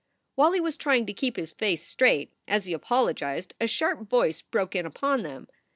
While he was trying to keep his face straight, as he apolo gized, a sharp voice broke in upon them.